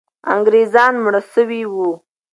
انګریزان مړه سوي وو.